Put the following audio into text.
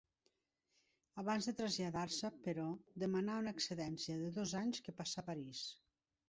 Abans de traslladar-se, però, demanà una excedència de dos anys que passà a París.